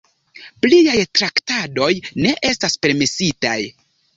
Pliaj traktadoj ne estas permesitaj.